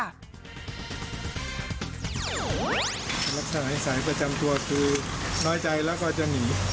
ลักษณะนิสัยประจำตัวคือน้อยใจแล้วก็จะหนี